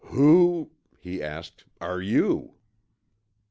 "Who," he asked, "are you?"